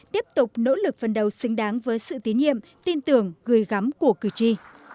tiếp tục nỗ lực phân đấu xứng đáng với sự tín nhiệm tin tưởng gửi gắm của cử tri